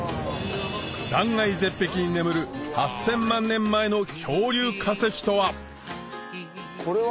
断崖絶壁に眠る８０００万年前の恐竜化石とはこれは？